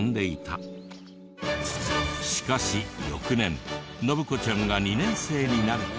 しかし翌年洵子ちゃんが２年生になると。